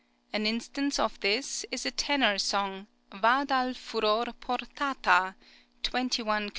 An instance of this is a tenor song, "Va dal furor portata" (21 K.)